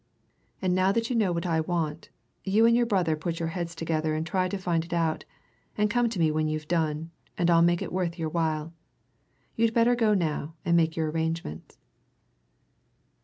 And now that you know what I want, you and your brother put your heads together and try to find it out, and come to me when you've done, and I'll make it worth your while. You'd better go now and make your arrangements."